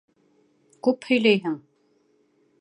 Күп һөйләйһең!